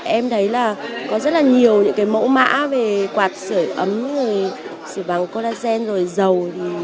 em thấy là có rất là nhiều những cái mẫu mã về quạt sửa ấm sửa bằng collagen rồi dầu